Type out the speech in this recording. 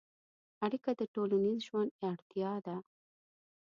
اړیکه د ټولنیز ژوند اړتیا ده.